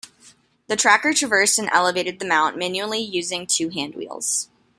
The tracker traversed and elevated the mount manually using two handwheels.